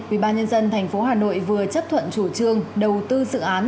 ubnd tp hà nội vừa chấp thuận chủ trương đầu tư dự án